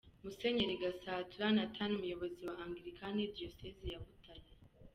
Musenyeri Gasatura Nathan umuyobozi wa Angilikani Diyosezi ya Butare.